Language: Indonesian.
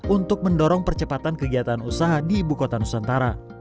untuk mendorong percepatan kegiatan usaha di ibu kota nusantara